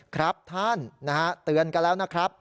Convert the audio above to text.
ครับท่านนะฮะเตือนกันแล้วนะครับ